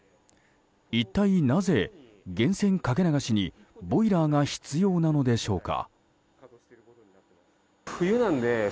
一体なぜ、源泉かけ流しにボイラーが必要なのでしょうか。